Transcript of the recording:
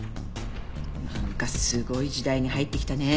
なんかすごい時代に入ってきたね。